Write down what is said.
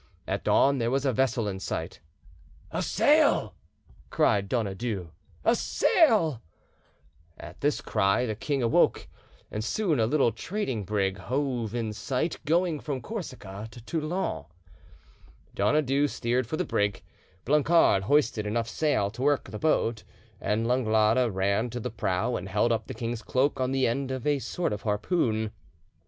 At dawn there was a vessel in sight. "A sail!" cried Donadieu,—"a sail!" At this cry the king—awoke; and soon a little trading brig hove in sight, going from Corsica to Toulon. Donadieu steered for the brig, Blancard hoisted enough sail to work the boat, and Langlade ran to the prow and held up the king's cloak on the end of a sort of harpoon.